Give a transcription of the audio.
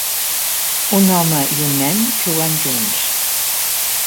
Un home i un nen jugant junts.